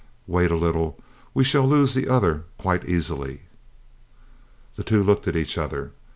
Wait a little. We shall lose the other quite easily." The two looked at each other.